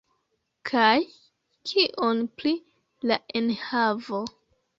Kaj kion pri la enhavo?